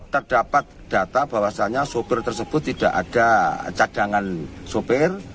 terdapat data bahwasannya sopir tersebut tidak ada cadangan sopir